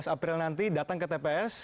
dua belas april nanti datang ke tps